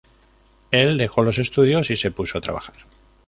Él dejó los estudios y se puso a trabajar.